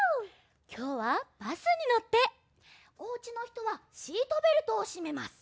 きょうは「バスにのって」！おうちのひとはシートベルトをしめます。